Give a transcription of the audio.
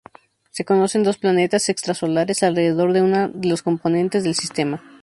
Se conocen dos planetas extrasolares alrededor de una de las componentes del sistema.